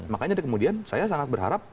makanya kemudian saya sangat berharap